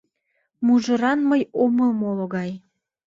Мужыран мый омыл моло гай.